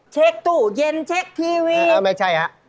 เช๊กตู้เย็นเช๊กทีวีไม่ใช่ครับ